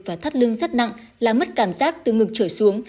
và thắt lưng rất nặng làm mất cảm giác từ ngực trở xuống